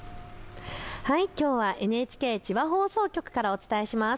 きょうはＮＨＫ千葉放送局からお伝えします。